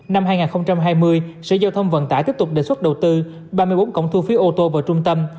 năm hai nghìn hai mươi sở giao thông vận tải tiếp tục đề xuất đầu tư ba mươi bốn cổng thu phí ô tô vào trung tâm